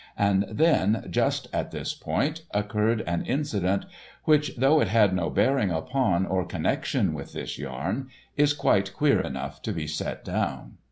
And then, just at this point, occurred an incident which, though it had no bearing upon or connection with this yarn, is quite queer enough to be set down.